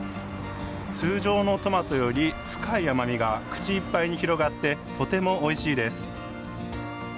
通常のトマトより深い甘みが口いっぱいに広がって、とてもおいしいです。